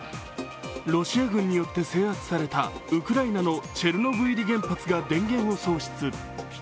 ロシア軍によって制圧されたウクライナのチェルノブイリ原発が電源を喪失。